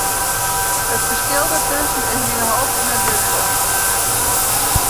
It ferskil dêrtusken is my noch altiten net dúdlik.